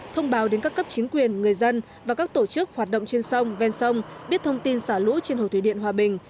thông báo đến các cấp chính quyền người dân và các tổ chức hoạt động trên sông ven sông biết thông tin xả lũ trên hồ thủy điện hòa bình